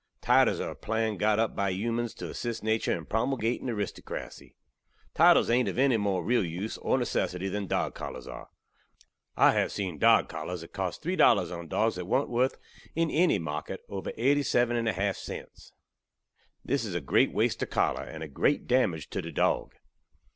Titles are a plan got up bi humans tew assist natur in promulgating aristokrasy. Titles ain't ov enny more real use or necessity than dog collars are. I hav seen dog collars that kost 3 dollars on dogs that wan't worth, in enny market, over 87 1/2 cents. This iz a grate waste of collar; and a grate damage tew the dog.